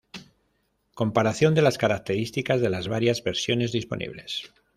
Comparación de las características de las varias versiones disponibles.